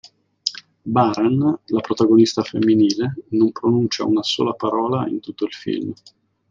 Baran, la protagonista femminile, non pronuncia una sola parola in tutto il film.